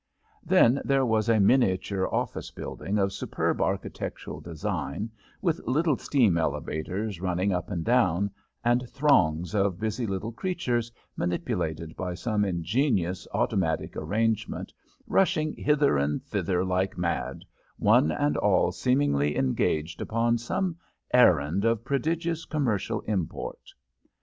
Then there was a miniature office building of superb architectural design, with little steam elevators running up and down, and throngs of busy little creatures, manipulated by some ingenious automatic arrangement, rushing hither and thither like mad, one and all seemingly engaged upon some errand of prodigious commercial import.